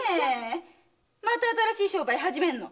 また新しい商売始めるの？